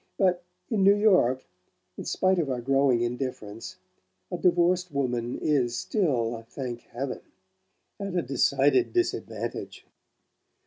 But in New York, in spite of our growing indifference, a divorced woman is still thank heaven! at a decided disadvantage."